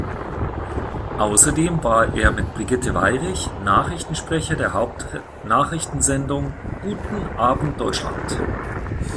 Außerdem war er mit Brigitte Weirich Nachrichtensprecher der Hauptnachrichtensendung "Guten Abend, Deutschland".